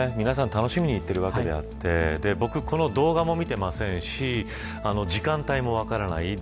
皆さん楽しみに行っているわけであって僕は動画も見ていないし時間帯も分からない。